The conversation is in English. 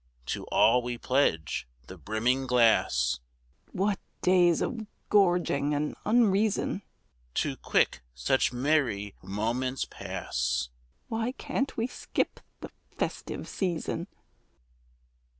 _) To all we pledge the brimming glass! (What days of gorging and unreason!) Too quick such merry moments pass (_Why can't we skip the "festive season"?